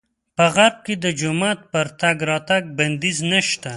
په غرب کې د جومات پر تګ راتګ بندیز نه شته.